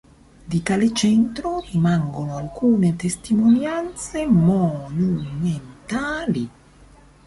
Di tale centro, rimangono alcune testimonianze monumentali.